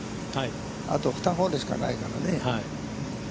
あと２ホールしかないからね。